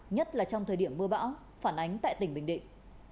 nhất là trong thời điểm mưa bão phản ánh tại tỉnh bình định